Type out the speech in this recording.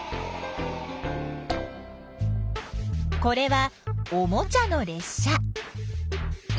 これはおもちゃのれっ車。